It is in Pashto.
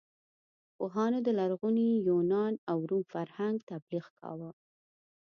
پوهانو د لرغوني یونان او روم فرهنګ تبلیغ کاوه.